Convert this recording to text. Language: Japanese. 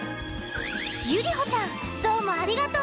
ゆりほちゃんどうもありがとう！